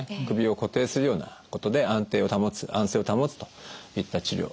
首を固定するようなことで安定を保つ安静を保つといった治療。